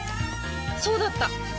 そうだった！